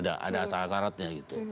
ada syarat syaratnya gitu